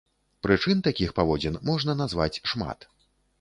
Прычын такіх паводзін можна назваць шмат.